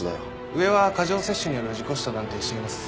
上は過剰摂取による事故死と断定しています。